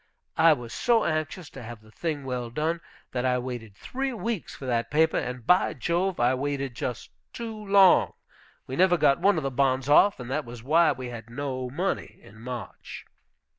I was so anxious to have the thing well done, that I waited three weeks for that paper, and, by Jove, I waited just too long. We never got one of the bonds off, and that was why we had no money in March."